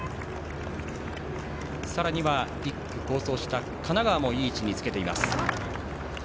さらに１区、好走した神奈川もいい位置につけています。